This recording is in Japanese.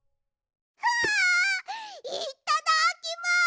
わあいっただっきます！